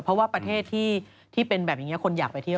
เพราะว่าประเทศที่เป็นแบบนี้คนอยากไปเที่ยว